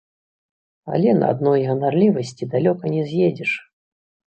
Але на адной ганарлівасці далёка не з'едзеш.